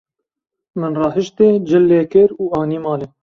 Min rahiştê, cil lê kir û anî malê.